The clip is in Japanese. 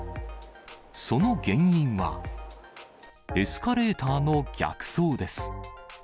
その原因は、エスカレーターの逆走です。